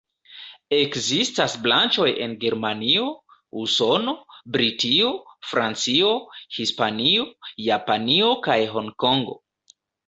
Ekzistas branĉoj en Germanio, Usono, Britio, Francio, Hispanio, Japanio kaj Honkongo.